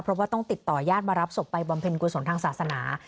เพราะว่าต้องติดต่อย่างมารับศพไปบรรเภณกวสงษ์ทางศาสนา